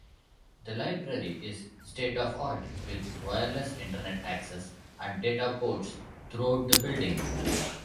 The library is state-of-the-art with wireless Internet access and data ports throughout the building.